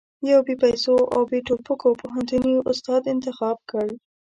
يو بې پيسو او بې ټوپکو پوهنتوني استاد انتخاب کړ.